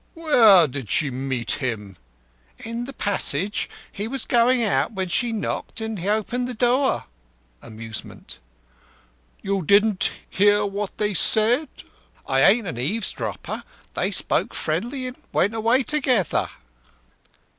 "Where did she meet him?" "In the passage. He was going out when she knocked and he opened the door." (Amusement.) "You didn't hear what they said?" "I ain't a eavesdropper. They spoke friendly and went away together."